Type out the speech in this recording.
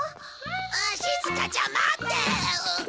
あしずかちゃん待って！